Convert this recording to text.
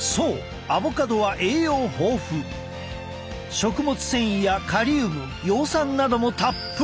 食物繊維やカリウム葉酸などもたっぷり！